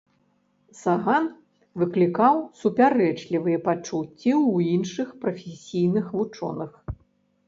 Саган выклікаў супярэчлівыя пачуцці ў іншых прафесійных вучоных.